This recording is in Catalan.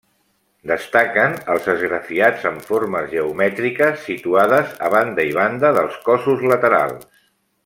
Destaquen els esgrafiats amb formes geomètriques situades a banda i banda dels cossos laterals.